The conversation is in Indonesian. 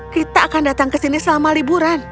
kita akan datang ke sini selama liburan